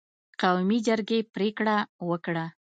قومي جرګې پرېکړه وکړه